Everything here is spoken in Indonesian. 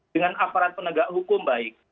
dengan aparat penegak hukum baik